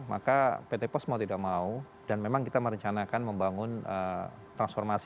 maka pt post mau tidak mau dan memang kita merencanakan membangun transformasi